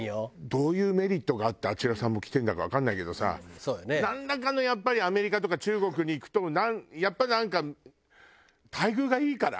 どういうメリットがあってあちらさんも来てるんだかわからないけどさなんらかのやっぱりアメリカとか中国に行くとやっぱりなんか待遇がいいから？